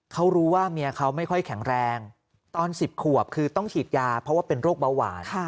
เขารู้ว่าเมียเขาไม่ค่อยแข็งแรงตอน๑๐ขวบคือต้องฉีดยาเพราะว่าเป็นโรคเบาหวาน